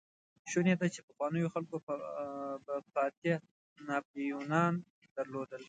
شونې ده، چې پخوانيو خلکو به فاتح ناپليونان درلودل.